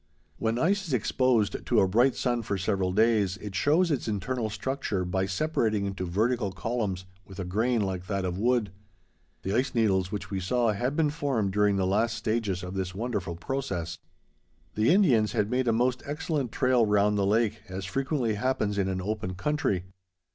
When ice is exposed to a bright sun for several days, it shows its internal structure by separating into vertical columns, with a grain like that of wood. The ice needles which we saw had been formed during the last stages of this wonderful process. [Illustration: North Lake] The Indians had made a most excellent trail round the lake, as frequently happens in an open country.